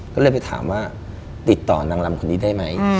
ก็เลยไปถามว่าติดต่อน้างร่ำก็ได้ไหม